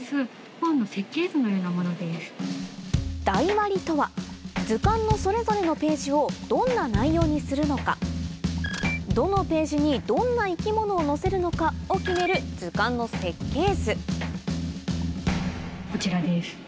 台割りとは図鑑のそれぞれのページをどんな内容にするのかどのページにどんな生き物を載せるのかを決める図鑑の設計図こちらです。